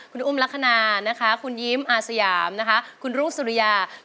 คุณอุ้มลัครานานะคะคุณยิ้มอาศยามนะคะ